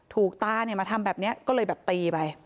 ถูกต้ามาทำแบบนี้ก็เลยตีไป